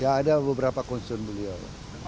ya ada beberapa concern beliau